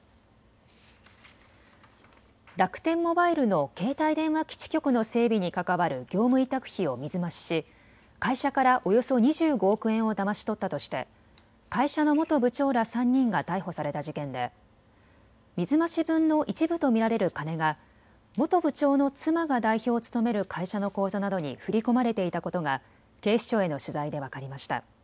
楽天モバイルの携帯電話基地局の整備に関わる業務委託費を水増しし会社からおよそ２５億円をだまし取ったとして会社の元部長ら３人が逮捕された事件で水増し分の一部と見られる金が元部長の妻が代表を務める会社の口座などに振り込まれていたことが警視庁への取材で分かりました。